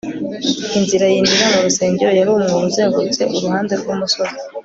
inzira yinjira mu rusengero yari umwobo uzengurutse uruhande rw'umusozi